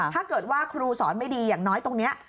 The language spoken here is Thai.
ถ้าเกิดว่าครูสอนไม่ดีอย่างน้อยตรงนี้